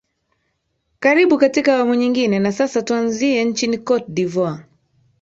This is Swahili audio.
karibu katika awamu nyingine na sasa tuanzie nchini cote de voire